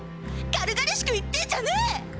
軽々しく言ってんじゃねえ！